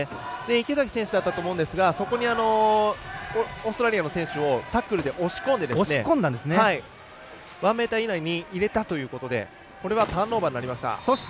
池崎選手だったと思うんですがオーストラリアの選手をタックルで押し込んで１ｍ以内に入れたということでこれはターンオーバーになりました。